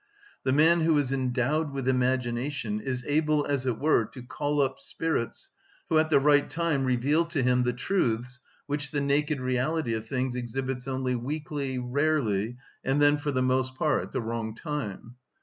The man who is endowed with imagination is able, as it were, to call up spirits, who at the right time reveal to him the truths which the naked reality of things exhibits only weakly, rarely, and then for the most part at the wrong time.